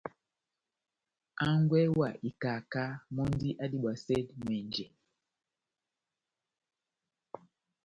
Hángwɛ wa ikaká mɔ́ndi adibwasɛ ŋʼwɛnjɛ.